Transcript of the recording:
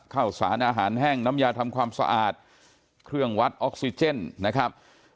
ข้าวสารอาหารแห้งน้ำยาทำความสะอาดเครื่องวัดออกซิเจนนะครับ